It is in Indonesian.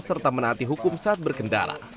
serta menaati hukum saat berkendara